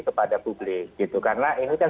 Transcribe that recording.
kepada publik gitu karena ini kan